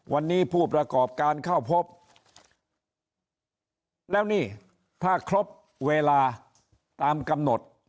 วันนี้ผู้ประกอบการเข้าพบแล้วนี่ถ้าครบเวลาตามกำหนด